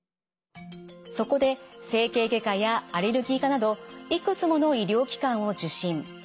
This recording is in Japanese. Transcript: そこで整形外科やアレルギー科などいくつもの医療機関を受診。